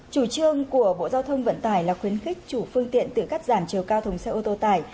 chủ trương của bộ giao thông vận tải là khuyến khích chủ phương tiện tự cắt giảm chiều cao thùng xe ô tô tải